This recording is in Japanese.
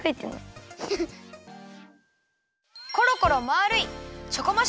コロコロまあるい